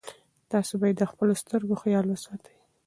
تاسي باید د خپلو سترګو خیال وساتئ.